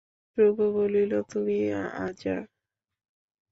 ধ্রুব বলিল, তুমি আজা।